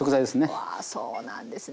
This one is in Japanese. あそうなんですね。